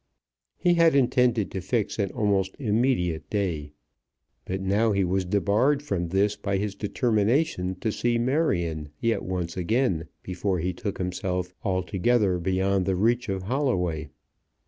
He had intended to fix an almost immediate day; but now he was debarred from this by his determination to see Marion yet once again before he took himself altogether beyond the reach of Holloway.